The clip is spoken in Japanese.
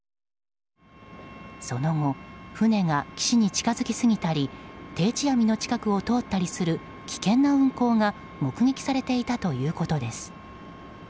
その後、船が岸に近づきすぎたり定置網の近くを通ったりする危険な運航が目撃されていたということです。